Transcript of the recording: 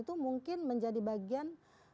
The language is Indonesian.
itu mungkin menjadi bagian